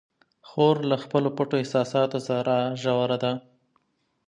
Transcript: خور له خپلو پټو احساساتو سره ژوره ده.